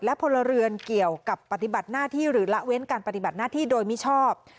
และพลเรือนเกี่ยวกับปฏิบัติหน้าที่หรือละเว้นการปฏิบัติหน้าที่โดยมิชอบ